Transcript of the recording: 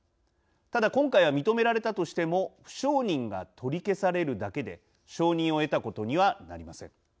ただ今回は認められたとしても不承認が取り消されるだけで承認を得たことにはなりません。